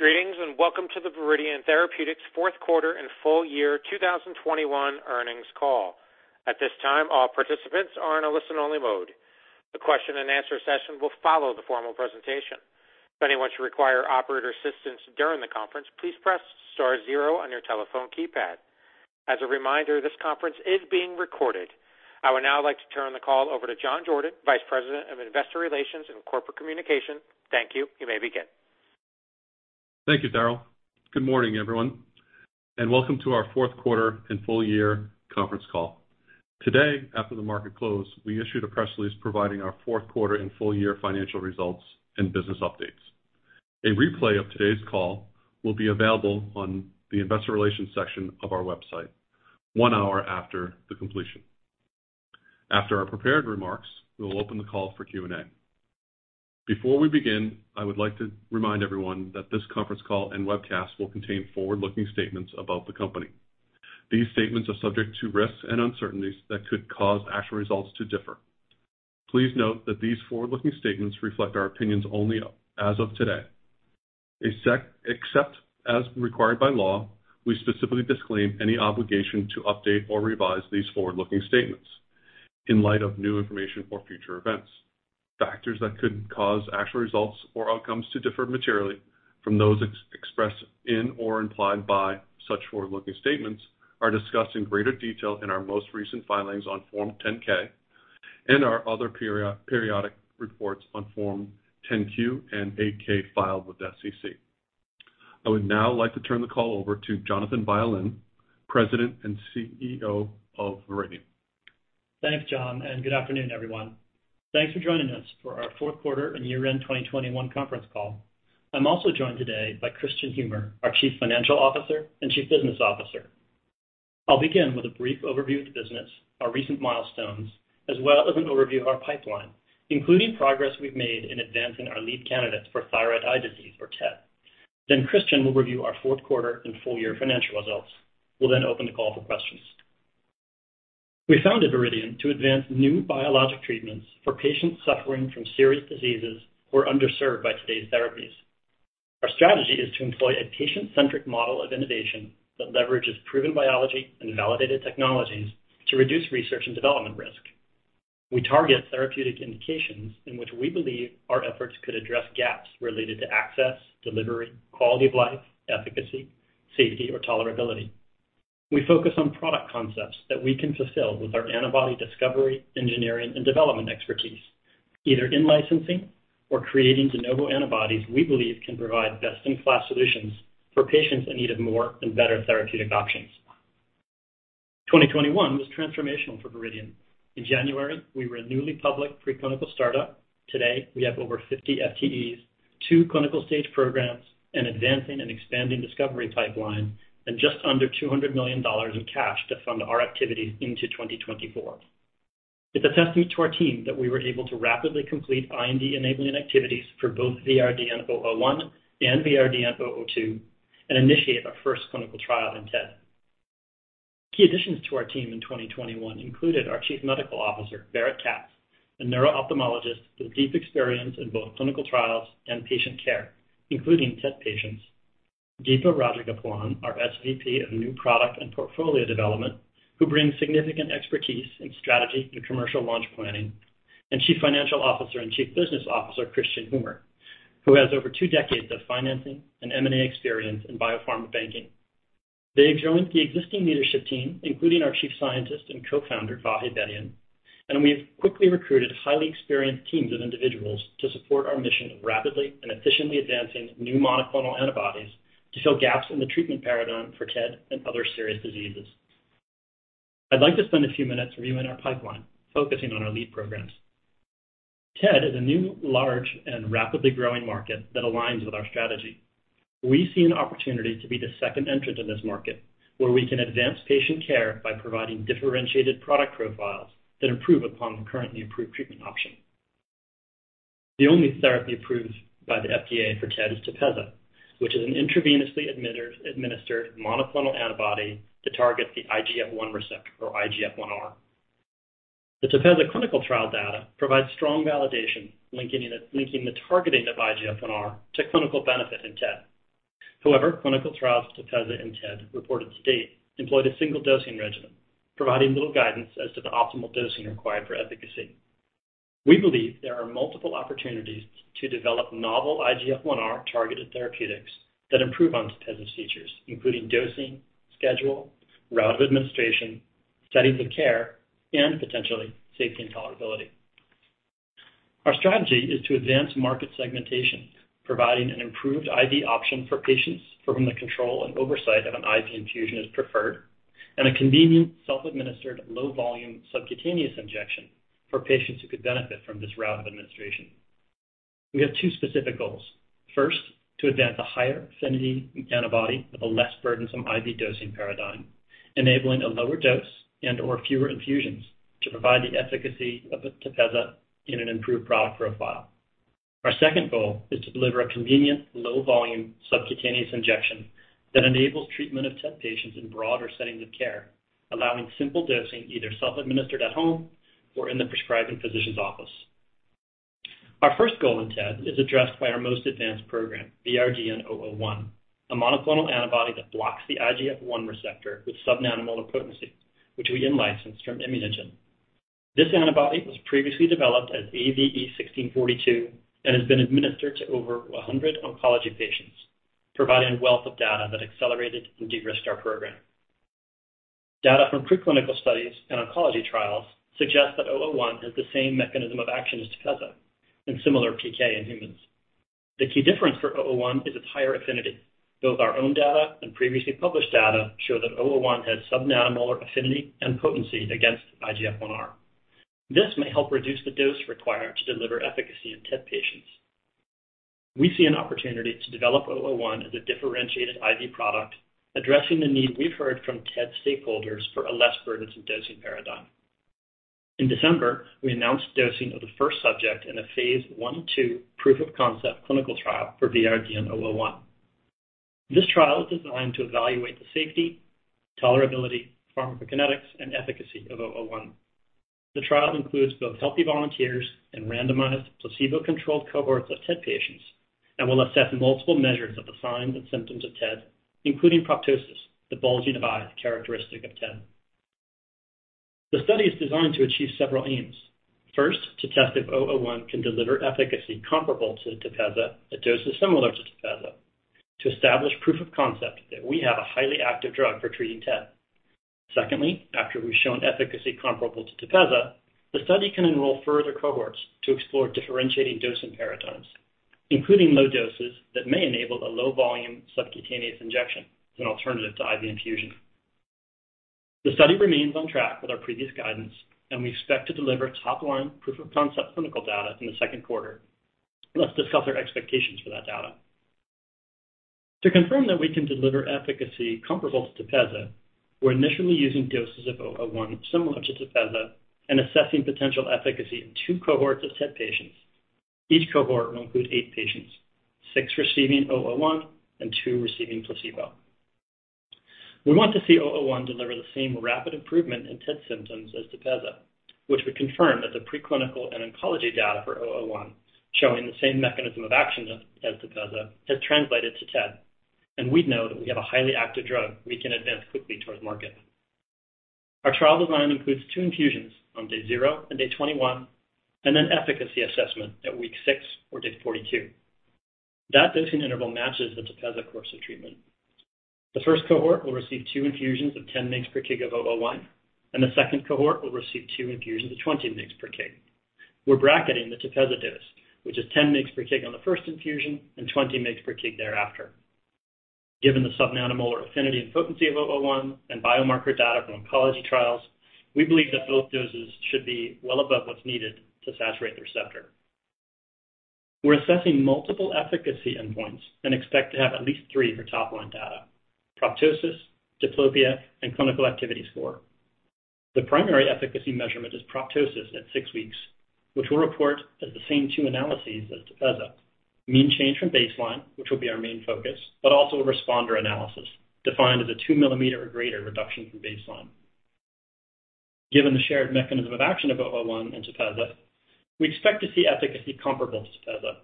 Greetings, and welcome to the Viridian Therapeutics fourth quarter and full year 2021 earnings call. At this time, all participants are in a listen-only mode. The question and answer session will follow the formal presentation. If anyone should require operator assistance during the conference, please press star zero on your telephone keypad. As a reminder, this conference is being recorded. I would now like to turn the call over to John Jordan, Vice President of Investor Relations and Corporate Communications. Thank you. You may begin. Thank you, Darryl. Good morning, everyone, and welcome to our fourth quarter and full year conference call. Today, after the market closed, we issued a press release providing our fourth quarter and full year financial results and business updates. A replay of today's call will be available on the investor relations section of our website one hour after the completion. After our prepared remarks, we will open the call for Q&A. Before we begin, I would like to remind everyone that this conference call and webcast will contain forward-looking statements about the company. These statements are subject to risks and uncertainties that could cause actual results to differ. Please note that these forward-looking statements reflect our opinions only as of today. Except as required by law, we specifically disclaim any obligation to update or revise these forward-looking statements in light of new information or future events. Factors that could cause actual results or outcomes to differ materially from those expressed in or implied by such forward-looking statements are discussed in greater detail in our most recent filings on Form 10-K and our other periodic reports on Form 10-Q and 8-K filed with the SEC. I would now like to turn the call over to Jonathan Violin, President and CEO of Viridian. Thanks, John, and good afternoon, everyone. Thanks for joining us for our fourth quarter and year-end 2021 conference call. I'm also joined today by Kristian Humer, our Chief Financial Officer and Chief Business Officer. I'll begin with a brief overview of the business, our recent milestones, as well as an overview of our pipeline, including progress we've made in advancing our lead candidates for thyroid eye disease, or TED. Then Kristian will review our fourth quarter and full year financial results. We'll then open the call for questions. We founded Viridian to advance new biologic treatments for patients suffering from serious diseases who are underserved by today's therapies. Our strategy is to employ a patient-centric model of innovation that leverages proven biology and validated technologies to reduce research and development risk. We target therapeutic indications in which we believe our efforts could address gaps related to access, delivery, quality of life, efficacy, safety, or tolerability. We focus on product concepts that we can fulfill with our antibody discovery, engineering, and development expertise, either in-licensing or creating de novo antibodies we believe can provide best-in-class solutions for patients in need of more and better therapeutic options. 2021 was transformational for Viridian. In January, we were a newly public preclinical startup. Today, we have over 50 FTEs, two clinical-stage programs, an advancing and expanding discovery pipeline, and just under $200 million in cash to fund our activities into 2024. It's a testament to our team that we were able to rapidly complete IND-enabling activities for both VRDN-001 and VRDN-002 and initiate our first clinical trial in TED. Key additions to our team in 2021 included our Chief Medical Officer, Barrett Katz, a neuro-ophthalmologist with deep experience in both clinical trials and patient care, including TED patients. Deepa Rajagopalan, our SVP of New Product and Portfolio Development, who brings significant expertise in strategy to commercial launch planning. Chief Financial Officer and Chief Business Officer, Kristian Humer, who has over two decades of financing and M&A experience in biopharma banking. They've joined the existing leadership team, including our Chief Scientist and Co-Founder, Vahe Bedian, and we've quickly recruited highly experienced teams and individuals to support our mission of rapidly and efficiently advancing new monoclonal antibodies to fill gaps in the treatment paradigm for TED and other serious diseases. I'd like to spend a few minutes reviewing our pipeline, focusing on our lead programs. TED is a new, large, and rapidly growing market that aligns with our strategy. We see an opportunity to be the second entrant in this market, where we can advance patient care by providing differentiated product profiles that improve upon the currently approved treatment option. The only therapy approved by the FDA for TED is Tepezza, which is an intravenously administered monoclonal antibody that targets the IGF-1 receptor, or IGF-1R. The Tepezza clinical trial data provides strong validation linking the targeting of IGF-1R to clinical benefit in TED. However, clinical trials of Tepezza in TED reported to date employed a single dosing regimen, providing little guidance as to the optimal dosing required for efficacy. We believe there are multiple opportunities to develop novel IGF-1R-targeted therapeutics that improve on Tepezza's features, including dosing, schedule, route of administration, settings of care, and potentially safety and tolerability. Our strategy is to advance market segmentation, providing an improved IV option for patients for whom the control and oversight of an IV infusion is preferred, and a convenient, self-administered, low-volume subcutaneous injection for patients who could benefit from this route of administration. We have two specific goals. First, to advance a higher affinity antibody with a less burdensome IV dosing paradigm, enabling a lower dose and/or fewer infusions to provide the efficacy of Tepezza in an improved product profile. Our second goal is to deliver a convenient, low-volume subcutaneous injection that enables treatment of TED patients in broader settings of care, allowing simple dosing either self-administered at home or in the prescribing physician's office. Our first goal in TED is addressed by our most advanced program, VRDN-001, a monoclonal antibody that blocks the IGF-1 receptor with subnanomolar potency, which we in-licensed from ImmunoGen. This antibody was previously developed as AVE1642 and has been administered to over 100 oncology patients, providing a wealth of data that accelerated and de-risked our program. Data from preclinical studies and oncology trials suggest that 001 has the same mechanism of action as Tepezza and similar PK in humans. The key difference for 001 is its higher affinity. Both our own data and previously published data show that 001 has subnanomolar affinity and potency against IGF-1R. This may help reduce the dose required to deliver efficacy in TED patients. We see an opportunity to develop 001 as a differentiated IV product, addressing the need we've heard from TED stakeholders for a less burdensome dosing paradigm. In December, we announced dosing of the first subject in a phase I/II proof-of-concept clinical trial for VRDN-001. This trial is designed to evaluate the safety, tolerability, pharmacokinetics, and efficacy of 001. The trial includes both healthy volunteers and randomized placebo-controlled cohorts of TED patients and will assess multiple measures of the signs and symptoms of TED, including proptosis, the bulging of the eye characteristic of TED. The study is designed to achieve several aims. First, to test if 001 can deliver efficacy comparable to Tepezza at doses similar to Tepezza to establish proof of concept that we have a highly active drug for treating TED. Secondly, after we've shown efficacy comparable to Tepezza, the study can enroll further cohorts to explore differentiating dosing paradigms, including low doses that may enable a low-volume subcutaneous injection as an alternative to IV infusion. The study remains on track with our previous guidance, and we expect to deliver top-line proof-of-concept clinical data in the second quarter. Let's discuss our expectations for that data. To confirm that we can deliver efficacy comparable to Tepezza, we're initially using doses of 001 similar to Tepezza and assessing potential efficacy in two cohorts of TED patients. Each cohort will include eight patients, six receiving 001 and two receiving placebo. We want to see 001 deliver the same rapid improvement in TED symptoms as Tepezza, which would confirm that the preclinical and oncology data for 001 showing the same mechanism of action as Tepezza has translated to TED, and we'd know that we have a highly active drug we can advance quickly towards market. Our trial design includes two infusions on day zero and day 21, and then efficacy assessment at week six or day 42. That dosing interval matches the Tepezza course of treatment. The first cohort will receive two infusions of 10 mg per kg of 001, and the second cohort will receive two infusions of 20 mg per kg. We're bracketing the Tepezza dose, which is 10 mg per kg on the first infusion and 20 mg per kg thereafter. Given the subnanomolar affinity and potency of 001 and biomarker data from oncology trials, we believe that both doses should be well above what's needed to saturate the receptor. We're assessing multiple efficacy endpoints and expect to have at least three for top-line data, proptosis, diplopia, and Clinical Activity Score. The primary efficacy measurement is proptosis at six weeks, which we'll report as the same two analyses as Tepezza, mean change from baseline, which will be our main focus, but also a responder analysis defined as a 2 mm or greater reduction from baseline. Given the shared mechanism of action of 001 and Tepezza, we expect to see efficacy comparable to Tepezza.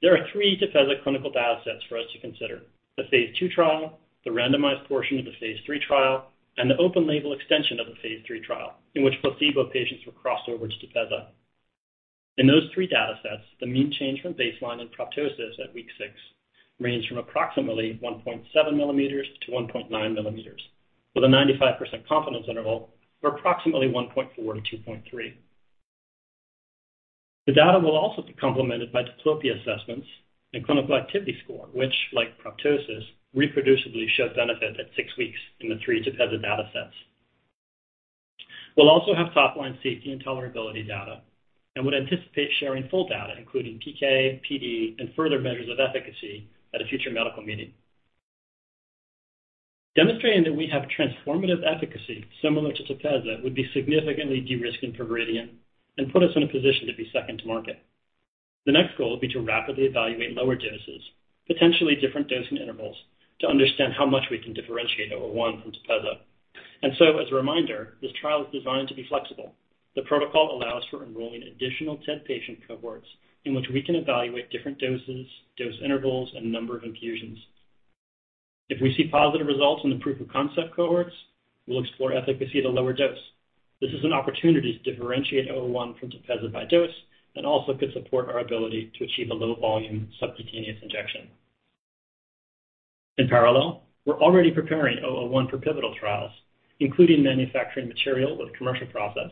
There are three Tepezza clinical data sets for us to consider. The phase II trial, the randomized portion of the phase III trial, and the open-label extension of the phase III trial in which placebo patients were crossed over to Tepezza. In those three data sets, the mean change from baseline in proptosis at week six ranged from approximately 1.7 mm to 1.9 mm, with a 95% confidence interval of approximately 1.4 to 2.3. The data will also be complemented by diplopia assessments and Clinical Activity Score, which, like proptosis, reproducibly showed benefit at six weeks in the three Tepezza data sets. We'll also have top-line safety and tolerability data and would anticipate sharing full data, including PK, PD, and further measures of efficacy at a future medical meeting. Demonstrating that we have transformative efficacy similar to Tepezza would be significantly de-risking for Viridian and put us in a position to be second to market. The next goal will be to rapidly evaluate lower doses, potentially different dosing intervals, to understand how much we can differentiate 001 from Tepezza. As a reminder, this trial is designed to be flexible. The protocol allows for enrolling additional TED patient cohorts in which we can evaluate different doses, dose intervals, and number of infusions. If we see positive results in the proof of concept cohorts, we'll explore efficacy at a lower dose. This is an opportunity to differentiate VRDN-001 from Tepezza by dose and also could support our ability to achieve a low-volume subcutaneous injection. In parallel, we're already preparing VRDN-001 for pivotal trials, including manufacturing material with commercial process.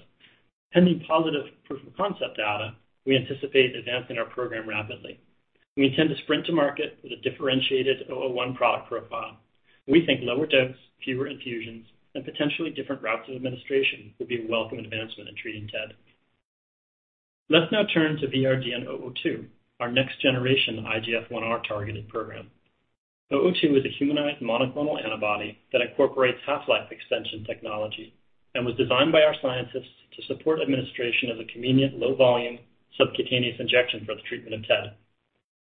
Pending positive proof-of-concept data, we anticipate advancing our program rapidly. We intend to sprint to market with a differentiated VRDN-001 product profile. We think lower dose, fewer infusions, and potentially different routes of administration would be a welcome advancement in treating TED. Let's now turn to VRDN-002, our next-generation IGF-1R targeted program. VRDN-002 is a humanized monoclonal antibody that incorporates half-life extension technology and was designed by our scientists to support administration of a convenient low-volume subcutaneous injection for the treatment of TED.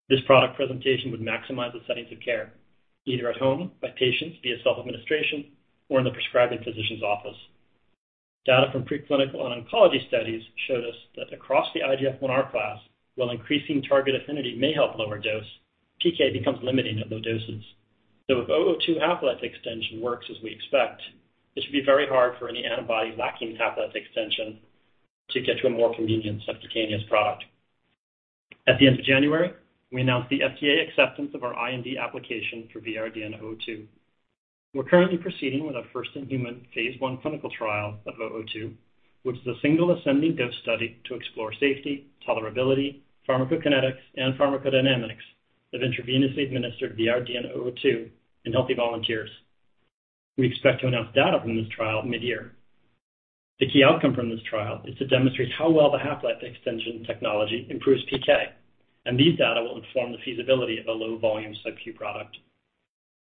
This product presentation would maximize the settings of care, either at home by patients via self-administration or in the prescribing physician's office. Data from preclinical and oncology studies showed us that across the IGF-1R class, while increasing target affinity may help lower dose, PK becomes limiting at low doses. If 002 half-life extension works as we expect, it should be very hard for any antibody lacking half-life extension to get to a more convenient subcutaneous product. At the end of January, we announced the FDA acceptance of our IND application for VRDN-002. We're currently proceeding with our first in human phase I clinical trial of VRDN-002, which is a single ascending dose study to explore safety, tolerability, pharmacokinetics, and pharmacodynamics of intravenously administered VRDN-002 in healthy volunteers. We expect to announce data from this trial mid-year. The key outcome from this trial is to demonstrate how well the half-life extension technology improves PK, and these data will inform the feasibility of a low volume subQ product.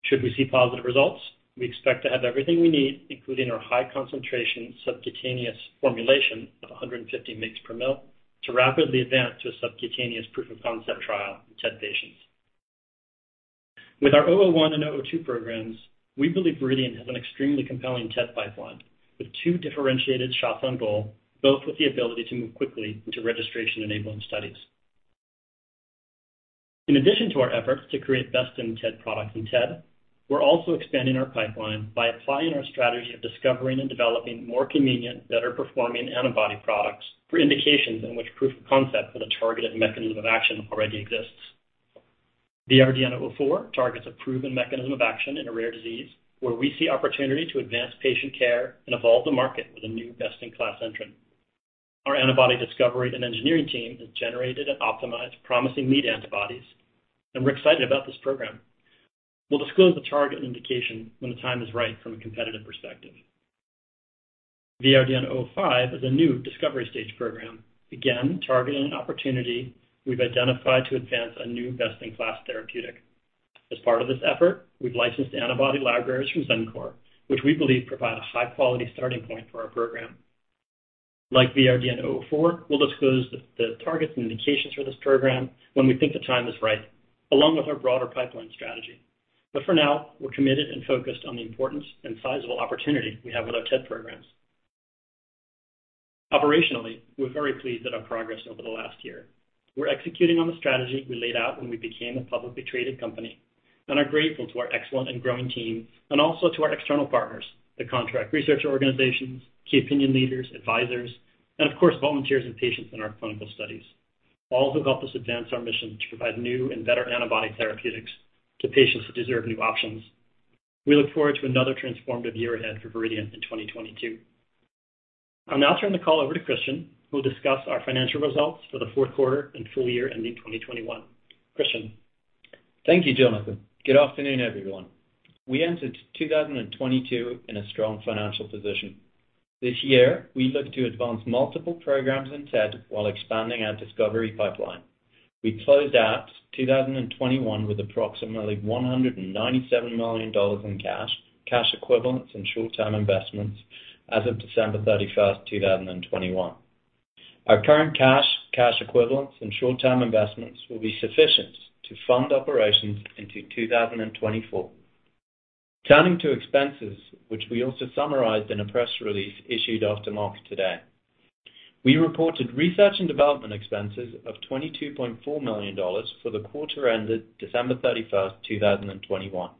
Should we see positive results, we expect to have everything we need, including our high concentration subcutaneous formulation of 150 mg/mL, to rapidly advance to a subcutaneous proof of concept trial in TED patients. With our VRDN-001 and VRDN-002 programs, we believe Viridian has an extremely compelling TED pipeline with two differentiated shots on goal, both with the ability to move quickly into registration-enabling studies. In addition to our efforts to create best-in-TED products in TED, we're also expanding our pipeline by applying our strategy of discovering and developing more convenient, better performing antibody products for indications in which proof of concept for the targeted mechanism of action already exists. VRDN-004 targets a proven mechanism of action in a rare disease, where we see opportunity to advance patient care and evolve the market with a new best-in-class entrant. Our antibody discovery and engineering team has generated and optimized promising lead antibodies, and we're excited about this program. We'll disclose the target and indication when the time is right from a competitive perspective. VRDN-005 is a new discovery stage program, again, targeting an opportunity we've identified to advance a new best-in-class therapeutic. As part of this effort, we've licensed antibody libraries from Xencor, which we believe provide a high-quality starting point for our program. Like VRDN-004, we'll disclose the targets and indications for this program when we think the time is right, along with our broader pipeline strategy. For now, we're committed and focused on the importance and sizable opportunity we have with our TED programs. Operationally, we're very pleased at our progress over the last year. We're executing on the strategy we laid out when we became a publicly traded company, and are grateful to our excellent and growing team, and also to our external partners, the contract research organizations, key opinion leaders, advisors, and of course, volunteers and patients in our clinical studies, all who help us advance our mission to provide new and better antibody therapeutics to patients who deserve new options. We look forward to another transformative year ahead for Viridian in 2022. I'll now turn the call over to Kristian, who will discuss our financial results for the fourth quarter and full year ending 2021. Kristian. Thank you, Jonathan. Good afternoon, everyone. We entered 2022 in a strong financial position. This year, we look to advance multiple programs in TED while expanding our discovery pipeline. We closed out 2021 with approximately $197 million in cash equivalents, and short-term investments as of December 31st, 2021. Our current cash equivalents, and short-term investments will be sufficient to fund operations into 2024. Turning to expenses, which we also summarized in a press release issued after market today. We reported research and development expenses of $22.4 million for the quarter ended December 31st, 2021,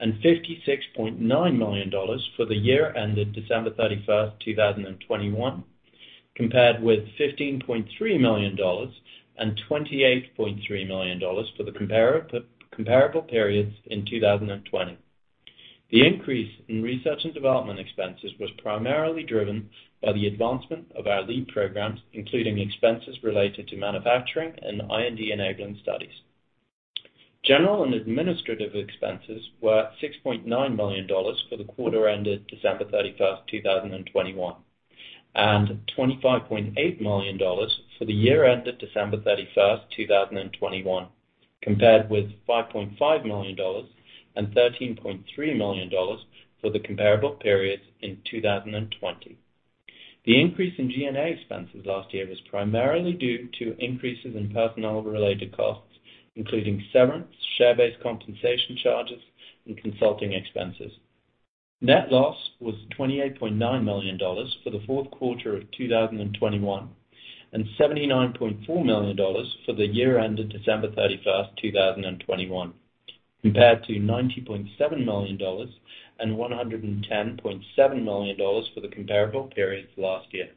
and $56.9 million for the year ended December 31st, 2021, compared with $15.3 million and $28.3 million for the comparable periods in 2020. The increase in research and development expenses was primarily driven by the advancement of our lead programs, including expenses related to manufacturing and IND-enabling studies. General and administrative expenses were $6.9 million for the quarter ended December 31st, 2021, and $25.8 million for the year ended December 31st, 2021, compared with $5.5 million and $13.3 million for the comparable periods in 2020. The increase in G&A expenses last year was primarily due to increases in personnel-related costs, including severance, share-based compensation charges, and consulting expenses. Net loss was $28.9 million for the fourth quarter of 2021, and $79.4 million for the year ended December 31st, 2021, compared to $90.7 million and $110.7 million for the comparable periods last year.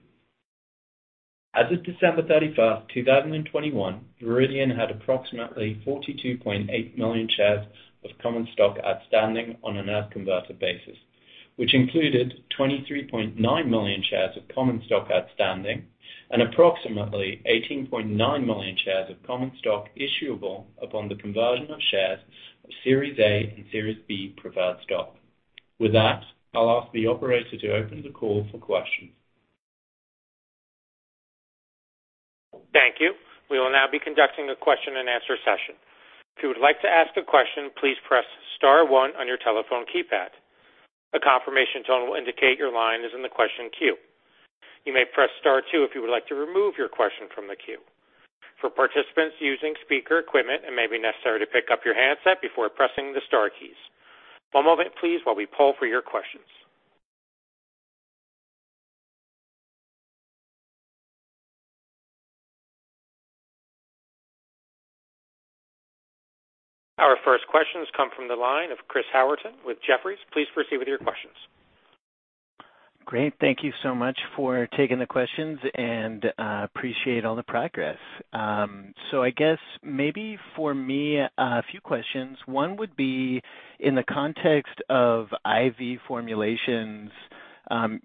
As of December 31st, 2021, Viridian had approximately 42.8 million shares of common stock outstanding on an as converted basis, which included 23.9 million shares of common stock outstanding and approximately 18.9 million shares of common stock issuable upon the conversion of shares of Series A and Series B preferred stock. With that, I'll ask the operator to open the call for questions. Thank you. We will now be conducting a question-and-answer session. If you would like to ask a question, please press star one on your telephone keypad. A confirmation tone will indicate your line is in the question queue. You may press star two if you would like to remove your question from the queue. For participants using speaker equipment, it may be necessary to pick up your handset before pressing the star keys. One moment please while we poll for your questions. Our first questions come from the line of Chris Howerton with Jefferies. Please proceed with your questions. Great. Thank you so much for taking the questions, and appreciate all the progress. So I guess maybe for me, a few questions. One would be in the context of IV formulations,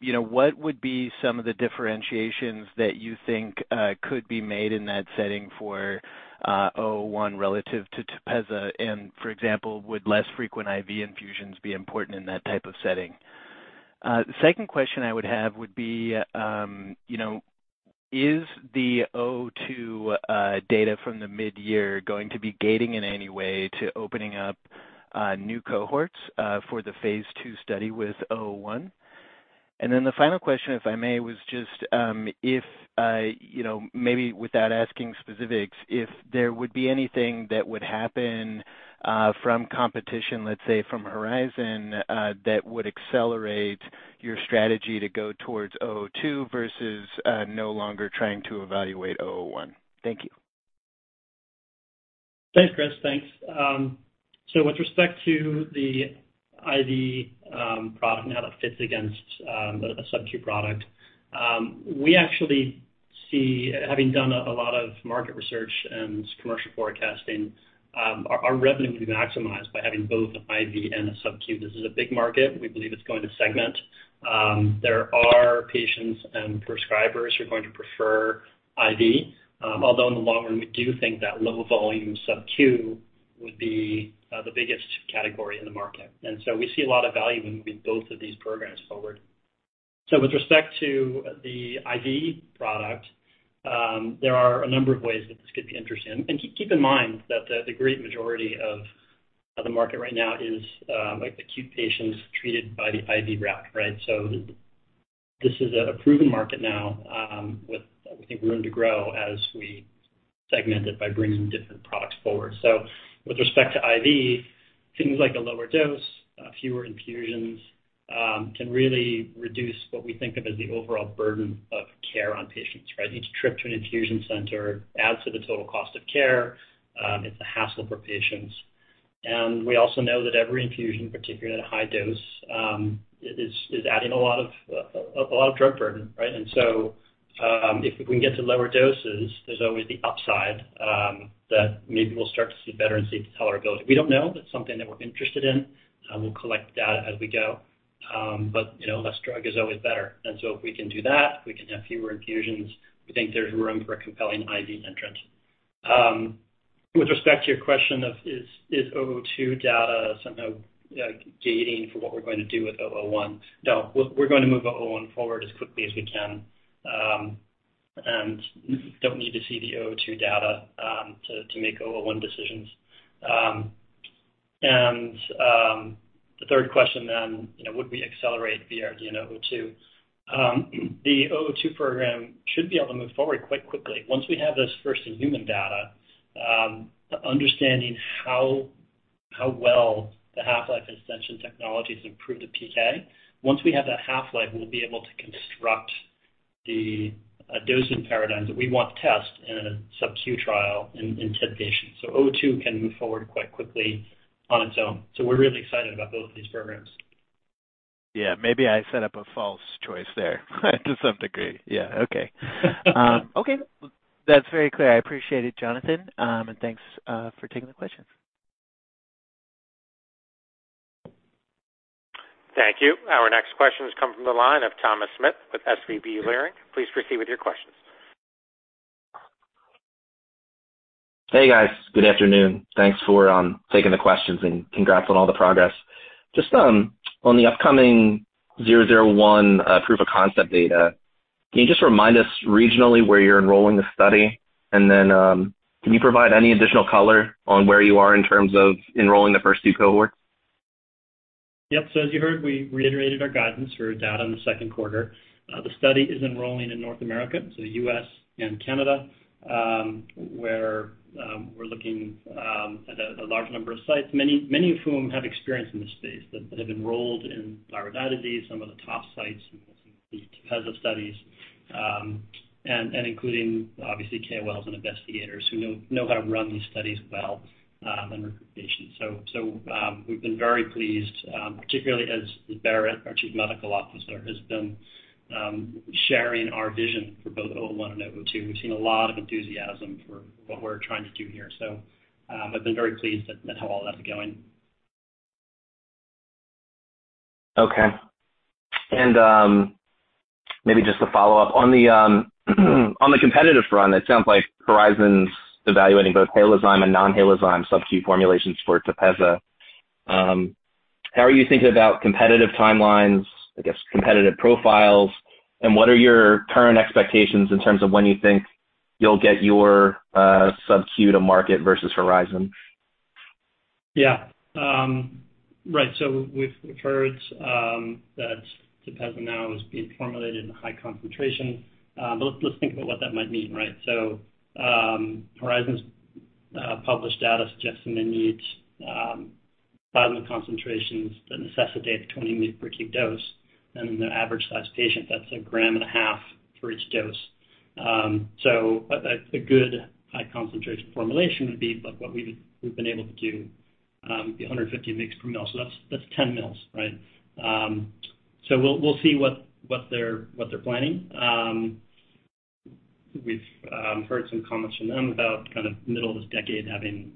you know, what would be some of the differentiations that you think could be made in that setting for VRDN-001 relative to Tepezza? And for example, would less frequent IV infusions be important in that type of setting? The second question I would have would be, you know, is the VRDN-002 data from the midyear going to be gating in any way to opening up new cohorts for the phase II study with VRDN-001? The final question, if I may, was just if you know, maybe without asking specifics, if there would be anything that would happen from competition, let's say from Horizon, that would accelerate your strategy to go towards VRDN-002 versus no longer trying to evaluate VRDN-001. Thank you. Thanks, Chris. Thanks. With respect to the IV product and how that fits against a subQ product, we actually see, having done a lot of market research and commercial forecasting, our revenue can be maximized by having both an IV and a subQ. This is a big market. We believe it's going to segment. There are patients and prescribers who are going to prefer IV, although in the long run, we do think that low volume subQ would be the biggest category in the market. We see a lot of value in moving both of these programs forward. With respect to the IV product, there are a number of ways that this could be interesting. Keep in mind that the great majority of the market right now is like acute patients treated by the IV route, right? This is a proven market now with I think room to grow as we segment it by bringing different products forward. With respect to IV, things like a lower dose fewer infusions can really reduce what we think of as the overall burden of care on patients, right? Each trip to an infusion center adds to the total cost of care. It's a hassle for patients. We also know that every infusion, particularly at a high dose, is adding a lot of drug burden, right? If we can get to lower doses, there's always the upside that maybe we'll start to see better and see tolerability. We don't know. That's something that we're interested in. We'll collect data as we go. But, you know, less drug is always better. If we can do that, if we can have fewer infusions, we think there's room for a compelling IV entrant. With respect to your question of is VRDN-002 data somehow gating for what we're going to do with VRDN-001? No. We're gonna move VRDN-001 forward as quickly as we can, and don't need to see the VRDN-002 data, to make VRDN-001 decisions. The third question then, you know, would we accelerate VRDN and VRDN-002? The VRDN-002 program should be able to move forward quite quickly. Once we have those first human data, understanding how well the half-life extension technologies improve the PK. Once we have that half-life, we'll be able to construct the dosing paradigms that we want to test in a subQ trial in TED patients. VRDN-002 can move forward quite quickly on its own. We're really excited about both of these programs. Yeah. Maybe I set up a false choice there to some degree. Yeah. Okay. Okay. That's very clear. I appreciate it, Jonathan. Thanks for taking the questions. Thank you. Our next question has come from the line of Thomas Smith with SVB Leerink. Please proceed with your questions. Hey, guys. Good afternoon. Thanks for taking the questions and congrats on all the progress. Just on the upcoming VRDN-001 proof of concept data, can you just remind us regionally where you're enrolling the study? Can you provide any additional color on where you are in terms of enrolling the first two cohorts? Yep. As you heard, we reiterated our guidance for data in the second quarter. The study is enrolling in North America, so the U.S. and Canada, where we're looking at a large number of sites, many of whom have experience in this space, that have enrolled in thyroid eye disease, some of the top sites, the Tepezza studies, and including obviously KOLs and investigators who know how to run these studies well and recruit patients. We've been very pleased, particularly as Barrett, our Chief Medical Officer, has been sharing our vision for both VRDN-001 and VRDN-002. We've seen a lot of enthusiasm for what we're trying to do here. I've been very pleased at how all that's going. Okay. Maybe just to follow-up, on the competitive front, it sounds like Horizon's evaluating both Halozyme and non-Halozyme subQ formulations for Tepezza. How are you thinking about competitive timelines, I guess, competitive profiles? What are your current expectations in terms of when you think you'll get your subQ to market versus Horizon? Yeah. Right. We've heard that Tepezza now is being formulated in high concentration. Let's think about what that might mean, right? Horizon's published data suggests they may need plasma concentrations that necessitate a 20 mg per kg dose. In an average-sized patient, that's 1.5 g for each dose. A good high concentration formulation would be about what we've been able to do, would be 150 mg per mL. That's 10 mL, right? We'll see what they're planning. We've heard some comments from them about kind of middle of this decade having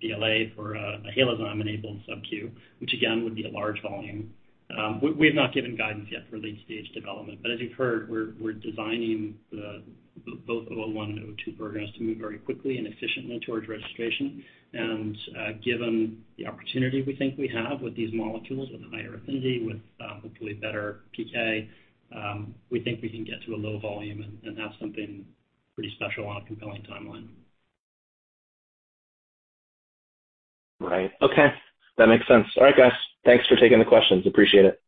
BLA for a Halozyme-enabled subQ, which again, would be a large volume. We have not given guidance yet for late-stage development, but as you've heard, we're designing both VRDN-001 and VRDN-002 programs to move very quickly and efficiently towards registration. Given the opportunity we think we have with these molecules with a higher affinity, with hopefully better PK, we think we can get to a low volume and have something pretty special on a compelling timeline. Right. Okay. That makes sense. All right, guys. Thanks for taking the questions. Appreciate it.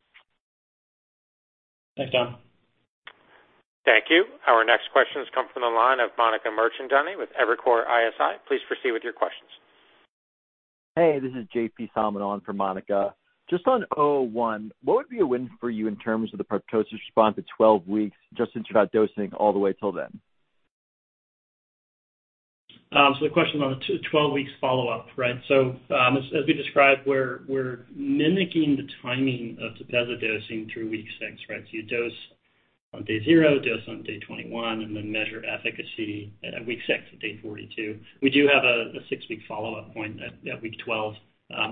Thanks, Tom. Thank you. Our next questions come from the line of Monica Mirchandani with Evercore ISI. Please proceed with your questions. Hey, this is JP Solomon on for Monica. Just on VRDN-001, what would be a win for you in terms of the proptosis response at 12 weeks, just since you're not dosing all the way till then? The question on the 12-week follow-up, right? As we described, we're mimicking the timing of Tepezza dosing through week six, right? You dose on day zero, dose on day 21, and then measure efficacy at week six at day 42. We do have a six-week follow-up point at week 12,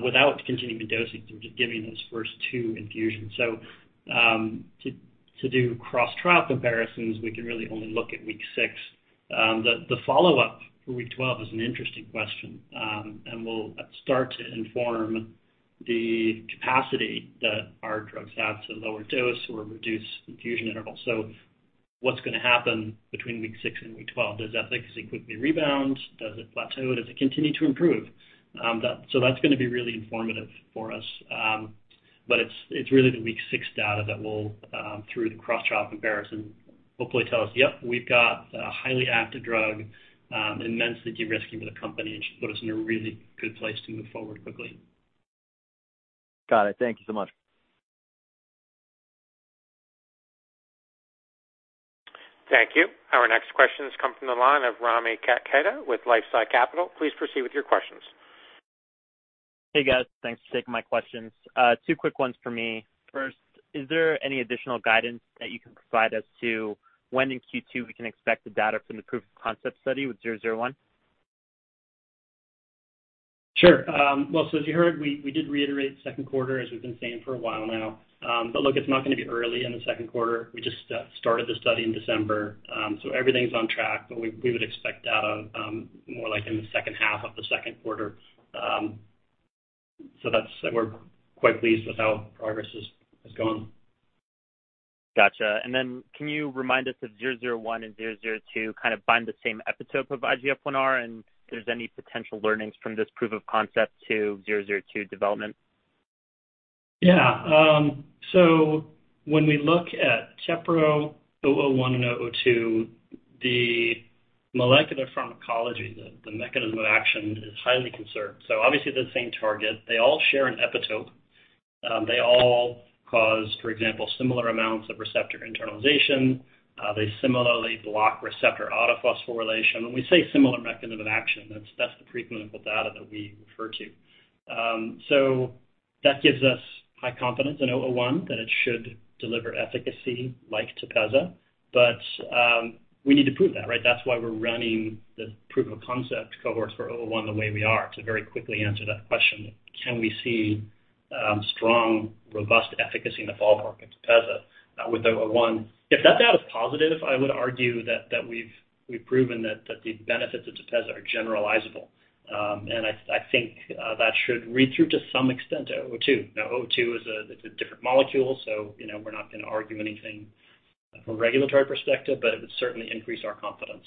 without continuing the dosing. We're just giving those first two infusions. To do cross-trial comparisons, we can really only look at week six. The follow-up for week 12 is an interesting question, and will start to inform the capacity that our drug has to lower dose or reduce infusion intervals. What's gonna happen between week six and week 12? Does efficacy quickly rebound? Does it plateau? Does it continue to improve? That's gonna be really informative for us. It's really the week six data that will, through the cross-trial comparison, hopefully tell us, "Yep, we've got a highly active drug, immensely de-risking for the company and should put us in a really good place to move forward quickly. Got it. Thank you so much. Thank you. Our next questions come from the line of Rami Katkhuda with LifeSci Capital. Please proceed with your questions. Hey, guys. Thanks for taking my questions. Two quick ones for me. First, is there any additional guidance that you can provide as to when in Q2 we can expect the data from the proof of concept study with zero zero one? Sure. As you heard, we did reiterate second quarter as we've been saying for a while now. Look, it's not gonna be early in the second quarter. We just started the study in December. Everything's on track, we would expect data more like in the second half of the second quarter. That's. We're quite pleased with how progress is going. Gotcha. Can you remind us if VRDN-001 and VRDN-002 kind of bind the same epitope of IGF-1R, and if there's any potential learnings from this proof of concept to VRDN-002 development? Yeah. When we look at VRDN-001 and VRDN-002, the molecular pharmacology, the mechanism of action is highly conserved. Obviously the same target. They all share an epitope. They all cause, for example, similar amounts of receptor internalization. They similarly block receptor autophosphorylation. When we say similar mechanism of action, that's the preclinical data that we refer to. That gives us high confidence in VRDN-001 that it should deliver efficacy like Tepezza, but we need to prove that, right? That's why we're running the proof of concept cohorts for VRDN-001 the way we are, to very quickly answer that question, can we see strong, robust efficacy in the ballpark of Tepezza with VRDN-001? If that data is positive, I would argue that we've proven that the benefits of Tepezza are generalizable. I think that should read through to some extent to 002. Now, 002 is a different molecule, so you know, we're not gonna argue anything from a regulatory perspective, but it would certainly increase our confidence.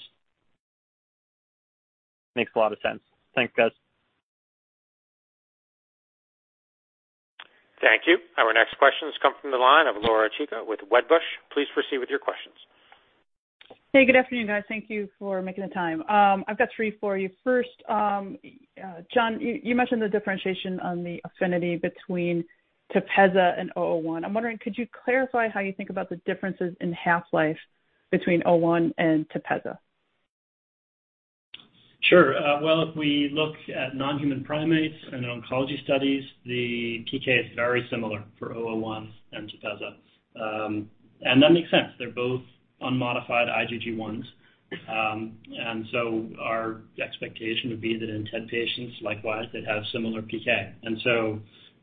Makes a lot of sense. Thanks, guys. Thank you. Our next questions come from the line of Laura Chico with Wedbush. Please proceed with your questions. Hey, good afternoon, guys. Thank you for making the time. I've got three for you. First, John, you mentioned the differentiation on the affinity between Tepezza and VRDN-001. I'm wondering, could you clarify how you think about the differences in half-life between VRDN-001 and Tepezza? Sure. Well, if we look at non-human primates in oncology studies, the PK is very similar for VRDN-001 and Tepezza. That makes sense. They're both unmodified IgG1s. Our expectation would be that in TED patients, likewise, they'd have similar PK.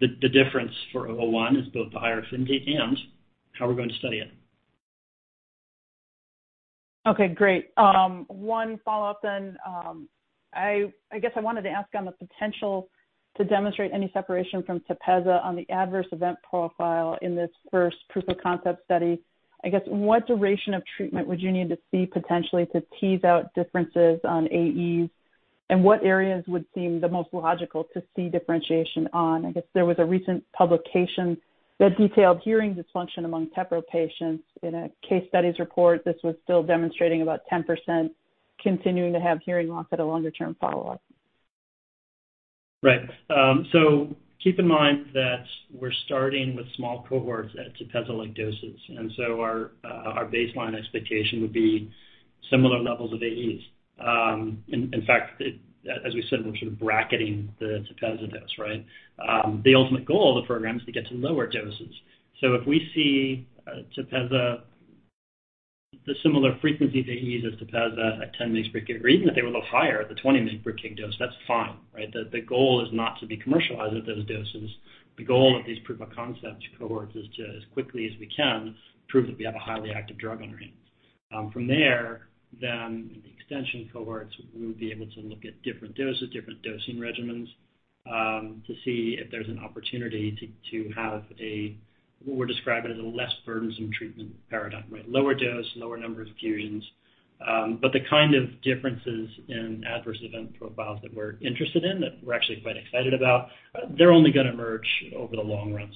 The difference for VRDN-001 is both the higher affinity and how we're going to study it. Okay, great. One follow-up then. I guess I wanted to ask on the potential to demonstrate any separation from Tepezza on the adverse event profile in this first proof of concept study. I guess, what duration of treatment would you need to see potentially to tease out differences on AEs? What areas would seem the most logical to see differentiation on? I guess there was a recent publication that detailed hearing dysfunction among VRDN patients in a case studies report. This was still demonstrating about 10% continuing to have hearing loss at a longer-term follow-up. Right. Keep in mind that we're starting with small cohorts at Tepezza-like doses, and our baseline expectation would be similar levels of AEs. In fact, as we said, we're sort of bracketing the Tepezza dose, right? The ultimate goal of the program is to get to lower doses. If we see Tepezza, the similar frequency they use of Tepezza at 10 mg per kg, or even if they were a little higher at the 20 mg per kg dose, that's fine, right? The goal is not to be commercialized at those doses. The goal of these proof of concept cohorts is to, as quickly as we can, prove that we have a highly active drug on our hands. From there, in the extension cohorts, we would be able to look at different doses, different dosing regimens, to see if there's an opportunity to have what we're describing as a less burdensome treatment paradigm, right? Lower dose, lower number of infusions, the kind of differences in adverse event profiles that we're interested in, that we're actually quite excited about, they're only gonna emerge over the long run.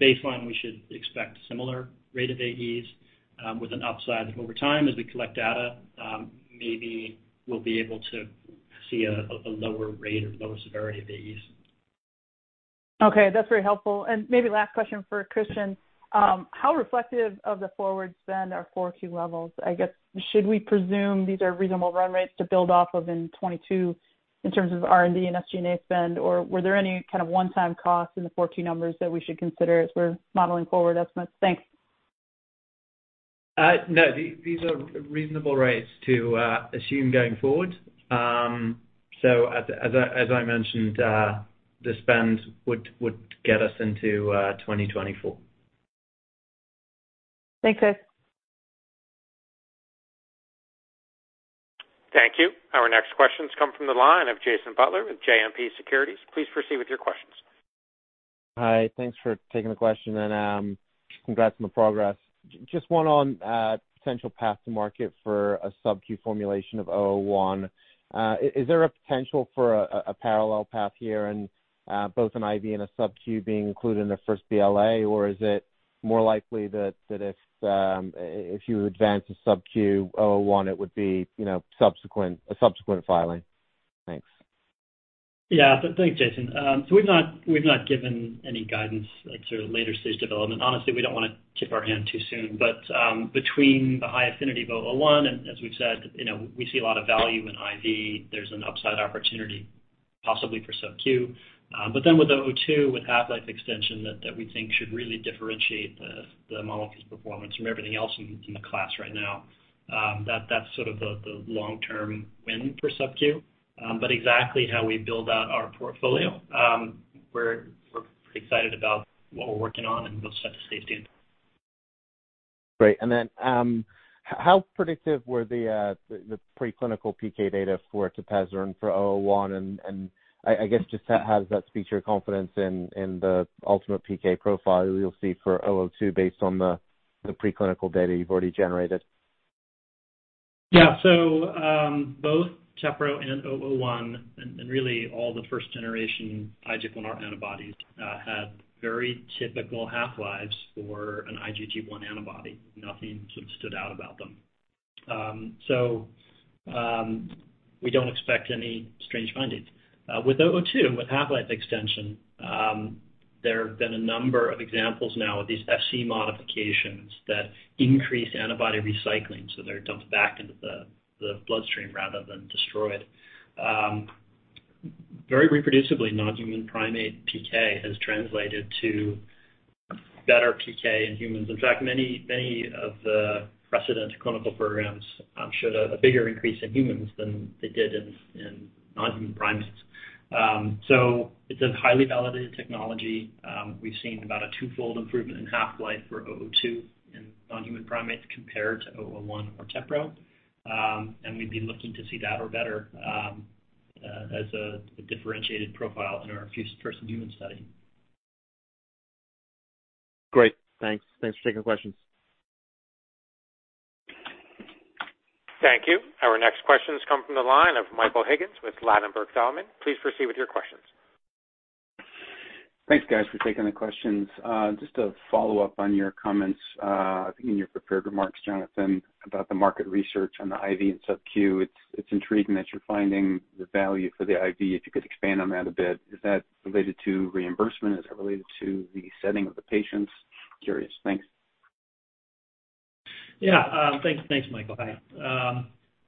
Baseline, we should expect similar rate of AEs with an upside over time. As we collect data, maybe we'll be able to see a lower rate or lower severity of AEs. Okay, that's very helpful. Maybe last question for Kristian. How reflective of the forward spend are Q2 levels? I guess, should we presume these are reasonable run rates to build off of in 2022 in terms of R&D and SG&A spend? Or were there any kind of one-time costs in the Q2 numbers that we should consider as we're modeling forward estimates? Thanks. No, these are reasonable rates to assume going forward. As I mentioned, the spend would get us into 2024. Thanks, guys. Thank you. Our next questions come from the line of Jason Butler with JMP Securities. Please proceed with your questions. Hi, thanks for taking the question, and congrats on the progress. Just one on potential path to market for a subQ formulation of VRDN-001. Is there a potential for a parallel path here and both an IV and a subQ being included in the first BLA? Or is it more likely that if you advance a subQ VRDN-001, it would be, you know, subsequent filing? Thanks. Yeah. Thanks, Jason. So we've not given any guidance like sort of later stage development. Honestly, we don't wanna tip our hand too soon. Between the high affinity of VRDN-001, and as we've said, you know, we see a lot of value in IV, there's an upside opportunity possibly for subQ. With VRDN-002, with half-life extension that we think should really differentiate the molecule's performance from everything else in the class right now, that's sort of the long-term win for subQ. Exactly how we build out our portfolio, we're pretty excited about what we're working on, and we'll set the stage in. Great. How predictive were the preclinical PK data for Tepezza and for VRDN-001? I guess just how does that speak to your confidence in the ultimate PK profile you'll see for VRDN-002 based on the preclinical data you've already generated? Yeah. Both VRDN-001 and really all the first generation IGF-1R antibodies had very typical half-lives for an IgG1 antibody. Nothing sort of stood out about them. We don't expect any strange findings. With VRDN-002, with half-life extension, there have been a number of examples now of these Fc modifications that increase antibody recycling, so they're dumped back into the bloodstream rather than destroyed. Very reproducibly, non-human primate PK has translated to better PK in humans. In fact, many of the precedent clinical programs showed a bigger increase in humans than they did in non-human primates. It's a highly validated technology. We've seen about a twofold improvement in half-life for VRDN-002 in non-human primates compared to VRDN-001 or VRDN. We'd be looking to see that or better, as a differentiated profile in our first-in-human study. Great. Thanks for taking the questions. Thank you. Our next questions come from the line of Michael Higgins with Ladenburg Thalmann. Please proceed with your questions. Thanks, guys, for taking the questions. Just to follow-up on your comments, I think in your prepared remarks, Jonathan, about the market research on the IV and subQ. It's intriguing that you're finding the value for the IV. If you could expand on that a bit. Is that related to reimbursement? Is that related to the setting of the patients? Curious. Thanks. Thanks. Thanks, Michael. Hi.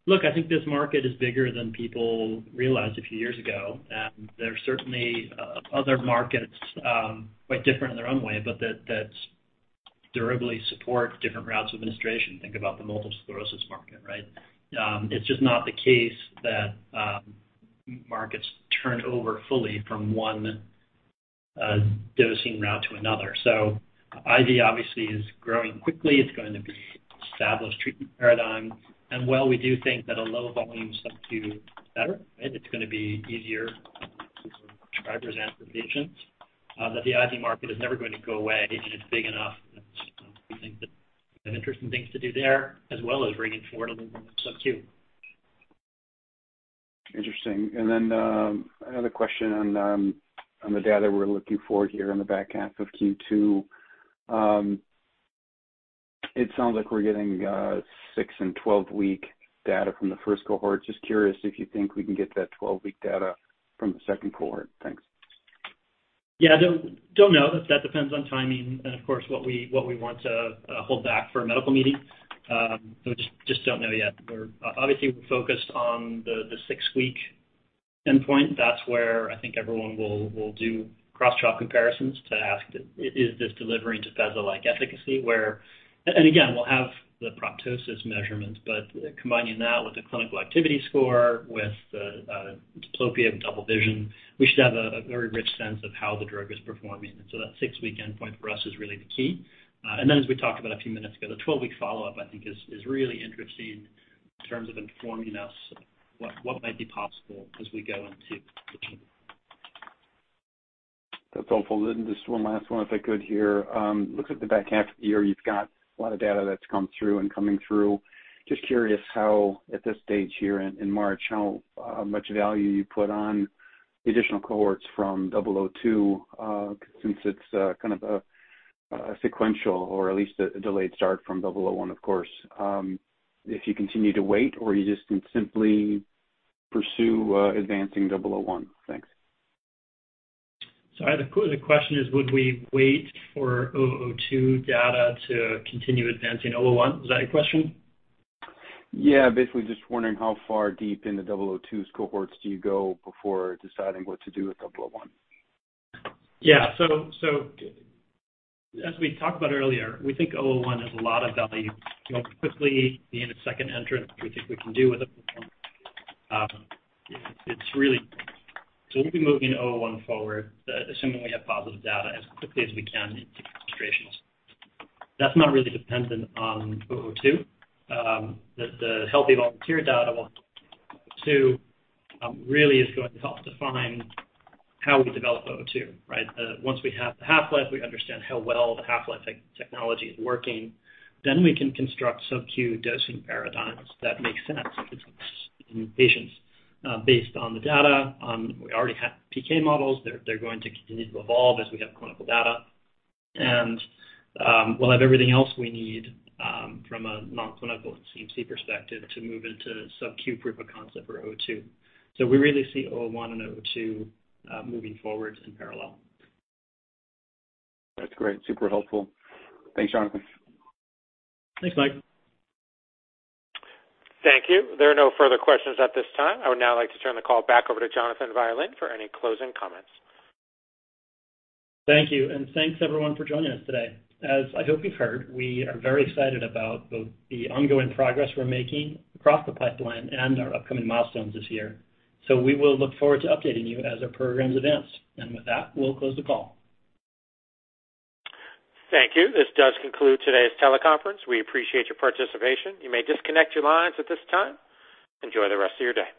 Look, I think this market is bigger than people realized a few years ago, and there are certainly other markets quite different in their own way, but that durably support different routes of administration. Think about the multiple sclerosis market, right? It's just not the case that markets turn over fully from one dosing route to another. IV obviously is growing quickly. It's going to be established treatment paradigm. While we do think that a low volume subQ is better, right, it's gonna be easier for patients. That the IV market is never going to go away, and it's big enough. We think that there are interesting things to do there, as well as bringing forward a little more subQ. Interesting. Another question on the data we're looking for here in the back half of Q2. It sounds like we're getting six- and 12-week data from the first cohort. Just curious if you think we can get that 12-week data from the second cohort. Thanks. Yeah. Don't know. That depends on timing and of course, what we want to hold back for a medical meeting. We just don't know yet. Obviously, we're focused on the six-week endpoint. That's where I think everyone will do cross-check comparisons to Tez, is this delivering Tez-like efficacy. And again, we'll have the proptosis measurements, but combining that with a Clinical Activity Score with the diplopia and double vision, we should have a very rich sense of how the drug is performing. That six-week endpoint for us is really the key. As we talked about a few minutes ago, the 12-week follow-up I think is really interesting in terms of informing us what might be possible as we go into the team. That's helpful. Just one last one, if I could here. Looks like the back half of the year, you've got a lot of data that's come through and coming through. Just curious how, at this stage here in March, how much value you put on the additional cohorts from VRDN-002, since it's kind of a sequential or at least a delayed start from VRDN-001, of course. If you continue to wait or you just can simply pursue advancing VRDN-001. Thanks. Sorry, the question is would we wait for VRDN-002 data to continue advancing VRDN-001? Is that your question? Yeah, basically just wondering how far deep in the 002's cohorts do you go before deciding what to do with 001? Yeah. As we talked about earlier, we think VRDN-001 has a lot of value. We want to quickly be the second entrant. We think we can do well with it. We'll be moving VRDN-001 forward, assuming we have positive data as quickly as we can in concentrations. That's not really dependent on VRDN-002. The healthy volunteer data for VRDN-002 really is going to help define how we develop VRDN-002, right? Once we have the half-life, we understand how well the half-life technology is working, then we can construct subQ dosing paradigms that make sense in patients, based on the data. We already have PK models. They're going to continue to evolve as we have clinical data. We'll have everything else we need from a non-clinical CMC perspective to move into subQ proof of concept for VRDN-002. We really see VRDN-001 and VRDN-002 moving forward in parallel. That's great. Super helpful. Thanks, Jonathan. Thanks, Mike. Thank you. There are no further questions at this time. I would now like to turn the call back over to Jonathan Violin for any closing comments. Thank you. Thanks everyone for joining us today. As I hope you've heard, we are very excited about both the ongoing progress we're making across the pipeline and our upcoming milestones this year. We will look forward to updating you as our programs advance. With that, we'll close the call. Thank you. This does conclude today's teleconference. We appreciate your participation. You may disconnect your lines at this time. Enjoy the rest of your day.